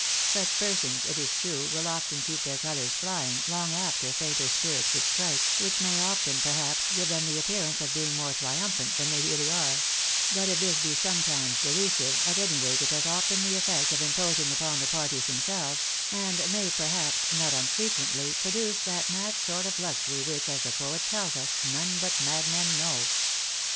Such persons, it is true, will often keep their colours flying, long after fainter spirits would strike, which may often, perhaps, give them the appearance of being more triumphant than they really are ; but if this be some times delusive, at any rate it has often the effect of imposing upon the parties themselves, and may perhaps not unfrequently produce that mad sort of luxury which, as the poet tells us, none but mad men know.